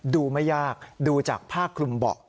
ดูไม่ยากดูจากภาคคลุมบ่อ